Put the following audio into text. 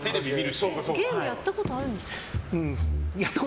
ゲームやったことあるんですか？